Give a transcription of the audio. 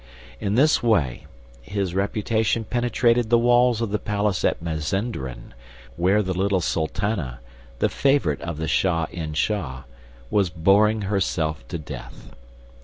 In this way, his reputation penetrated the walls of the palace at Mazenderan, where the little sultana, the favorite of the Shah in Shah, was boring herself to death.